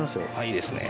いいですね。